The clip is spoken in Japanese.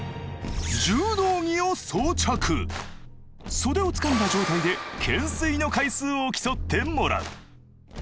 袖をつかんだ状態で懸垂の回数を競ってもらう。